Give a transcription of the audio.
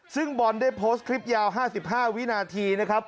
ซึ่งบอลได้โพสต์คลิปยาว๕๕วินาทีนะครับ